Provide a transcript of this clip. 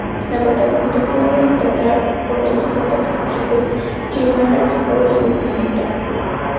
La protagonista puede desatar poderosos ataques mágicos que emana de su cabello y vestimenta.